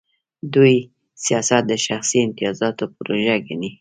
دوی سیاست د شخصي امتیازاتو پروژه ګڼي.